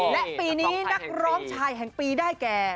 และปีนี้นักร้องชายแห่งปีได้แก่